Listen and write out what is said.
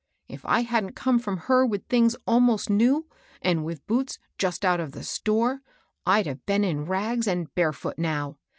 If I hadn't come from her with things almost new, and with boots just out of the store, I'd have been in rags and barefoot now.